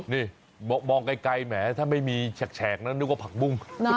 นี่มองไกลแหมถ้าไม่มีแฉกนั้นนึกว่าผักบุ้ง